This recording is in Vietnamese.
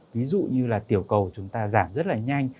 ví dụ như là tiểu cầu chúng ta giảm rất là nhanh